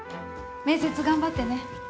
面接頑張ってね。